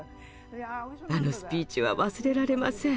あのスピーチは忘れられません。